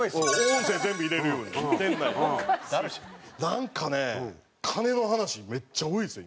なんかね金の話めっちゃ多いですよ